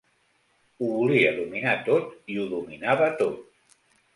Ho volia dominar tot i ho dominava tot.